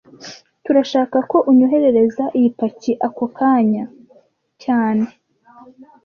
Turashaka ko unyoherereza iyi paki ako kanya cyane